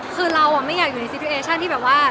คือเราไม่อยากอยู่ในซีพูเอชั่นที่แบบว่า